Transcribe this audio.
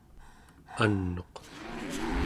an'uq